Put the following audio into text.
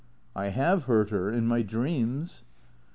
" I have heard her. In my dreams."